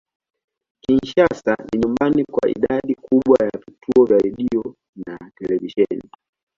Kinshasa ni nyumbani kwa idadi kubwa ya vituo vya redio na televisheni.